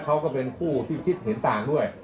เขาก็เป็นผู้ที่คิดเห็นต่างด้วย